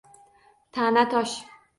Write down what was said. Ta’na tosh.